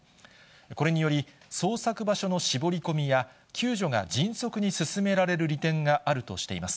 これにより、捜索場所の絞り込みや、救助が迅速に進められる利点があるとしています。